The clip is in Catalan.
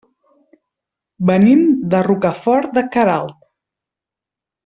Venim de Rocafort de Queralt.